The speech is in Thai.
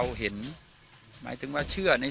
วันนี้ก็จะเป็นสวัสดีครับ